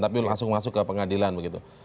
tapi langsung masuk ke pengadilan begitu